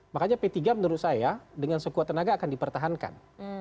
makanya p tiga menurut saya dengan sekuat tenaga akan dipertahankan